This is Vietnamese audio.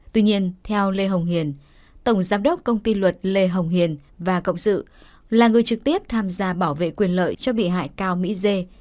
tuy nhiên theo lê hồng hiền tổng giám đốc công ty luật lê hồng hiền và cộng sự là người trực tiếp tham gia bảo vệ quyền lợi cho bị hại cao mỹ dê